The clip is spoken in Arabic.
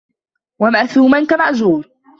وَمَأْثُومًا كَمَأْجُورٍ